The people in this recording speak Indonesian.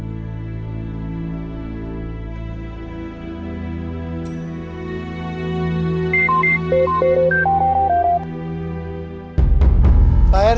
ngomongan ali tadi bener